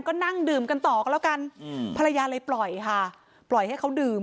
ก็นั่งดื่มกันต่อก็แล้วกันภรรยาเลยปล่อยค่ะปล่อยให้เขาดื่ม